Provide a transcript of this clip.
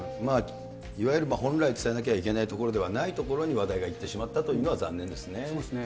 いわゆる本来伝えなきゃいけないところではないところに話題がいってしまったというのは残念そうですね。